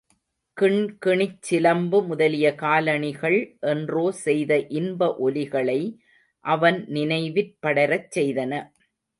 கிண் கிணிச் சிலம்பு முதலிய காலணிகள் என்றோ செய்த இன்ப ஒலிகளை அவன் நினைவிற் படரச் செய்தன.